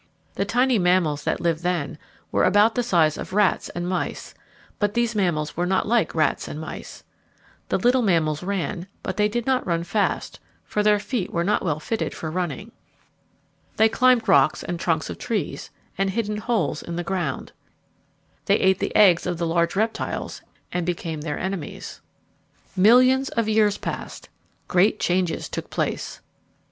The tiny mammals that lived then were about the size of rats and mice, but these mammals were not like rats and mice. The little mammals ran, but they did not run fast, for their feet were not well fitted for running. They climbed rocks and trunks of trees, and hid in holes in the ground. They ate the eggs of the large reptiles, and became their enemies. [Illustration: A reptile] Millions of years passed; great changes took place.